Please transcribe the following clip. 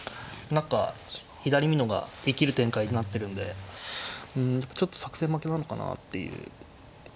何か左美濃が生きる展開になってるんでうんちょっと作戦負けなのかなっていう。